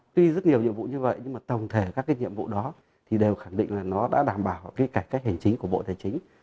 tuy rất nhiều nhiệm vụ như vậy nhưng tổng thể các nhiệm vụ đó đều khẳng định là nó đã đảm bảo cải cách hành chính của bộ tài chính